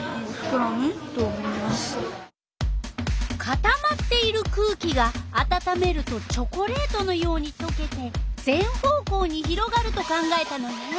かたまっている空気があたためるとチョコレートのようにとけて全方向に広がると考えたのね。